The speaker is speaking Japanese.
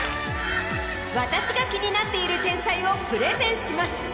私が気になっている天才をプレゼンします。